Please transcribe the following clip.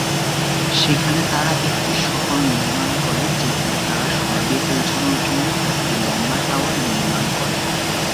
সেখানে তারা একটি শহর নির্মাণ করে, যেখানে তারা স্বর্গে পৌঁছানোর জন্য একটি লম্বা টাওয়ার নির্মাণ করে।